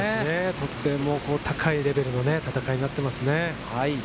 とても高いレベルの戦いになっていますね。